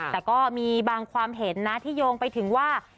แต่ก็มีบางความเห็นนะที่โยงไปถึงว่า